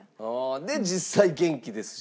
で実際元気ですし。